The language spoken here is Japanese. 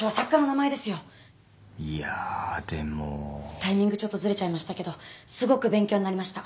タイミングちょっとずれちゃいましたけどすごく勉強になりました。